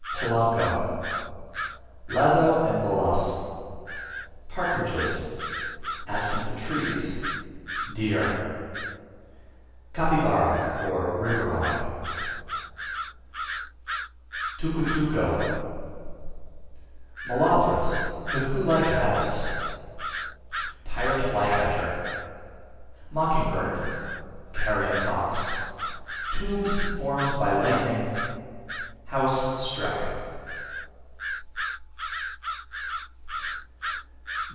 Polanco Lazo and Bolas Partridges Absence of Trees Deer Capybara, or River Hog Tucutuco Molothrus, cuckoo like habits Tyrant flycatcher Mocking bird Carrion Hawks Tubes formed by Lightning House struck.